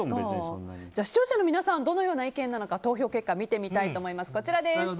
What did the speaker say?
視聴者の皆さんどのような意見なのか投票結果を見てみたいと思います。